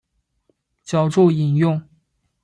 脚注引用